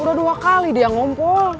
udah dua kali dia ngompol